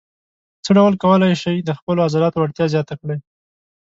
څه ډول کولای شئ د خپلو عضلاتو وړتیا زیاته کړئ.